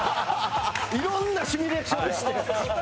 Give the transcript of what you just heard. いろんなシミュレーションをして？